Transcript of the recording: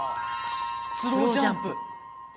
スロージャンプ。